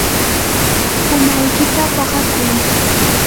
umaykita paqakuy.